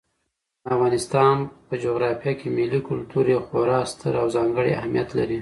د افغانستان په جغرافیه کې ملي کلتور یو خورا ستر او ځانګړی اهمیت لري.